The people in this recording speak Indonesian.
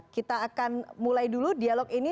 kita akan mulai dulu dialog ini